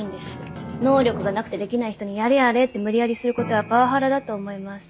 能力がなくてできない人にやれやれって無理やりすることはパワハラだと思います。